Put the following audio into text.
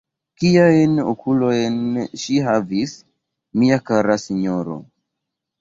Kiajn okulojn ŝi havis, mia kara sinjoro!